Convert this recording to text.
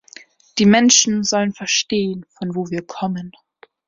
Die Menschen sollen verstehen, von wo wir kommen.